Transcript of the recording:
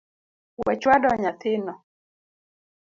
We chwado nyathi no